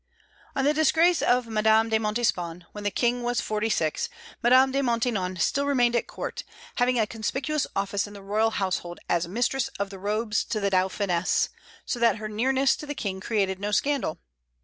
On the disgrace of Madame de Montespan, when the King was forty six, Madame de Maintenon still remained at court, having a conspicuous office in the royal household as mistress of the robes to the Dauphiness, so that her nearness to the King created no scandal.